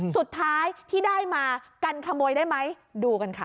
สุดท้ายที่ได้มากันขโมยได้ไหมดูกันค่ะ